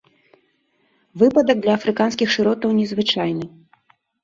Выпадак для афрыканскіх шыротаў незвычайны.